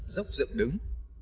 dốc dựng đứng